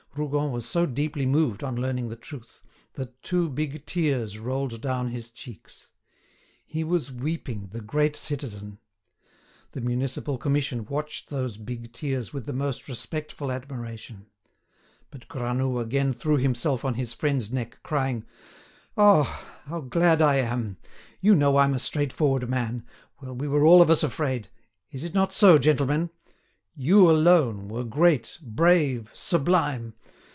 Rougon was so deeply moved on learning the truth, that two big tears rolled down his cheeks. He was weeping, the great citizen! The Municipal Commission watched those big tears with most respectful admiration. But Granoux again threw himself on his friend's neck, crying: "Ah! how glad I am! You know I'm a straightforward man. Well, we were all of us afraid; it is not so, gentlemen? You, alone, were great, brave, sublime!